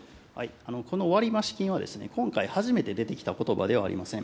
この割増金は、今回、初めて出てきたことばではありません。